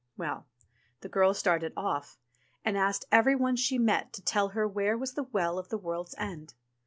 Well, the girl started off, and asked every one she met to tell her where was the Well of the World's End.